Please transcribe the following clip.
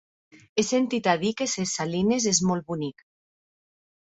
He sentit a dir que Ses Salines és molt bonic.